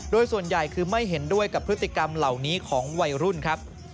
โดยส่วนใหญ่คือไม่เห็นด้วยกับพฤติกรรมเหล่านี้ของวัยรุ่นครับ